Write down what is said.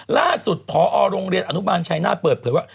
ล่าสุดพอโรงเรียนอนุบาลชายนาฏเปิดเผยว่า